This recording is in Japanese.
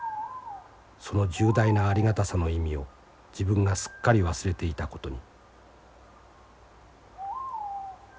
その重大なありがたさの意味を自分がすっかり忘れていたことに」。